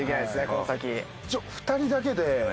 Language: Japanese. この先。